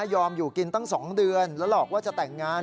อยู่กินตั้ง๒เดือนแล้วหลอกว่าจะแต่งงาน